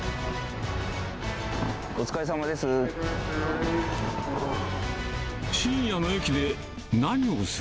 お疲れさまです。